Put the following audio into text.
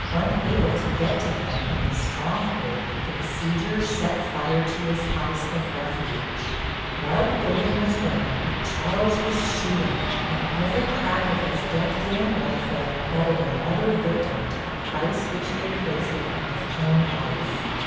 Unable to get to him in his stronghold, the besiegers set fire to his house of refuge. While the building was burning Charles was shooting, and every crack of his death dealing rifle added another victim to the price which he had placed upon his own life.